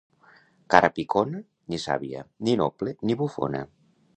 Cara picona, ni sàvia, ni noble ni bufona.